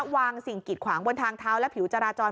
สิ่งกิดขวางบนทางเท้าและผิวจราจร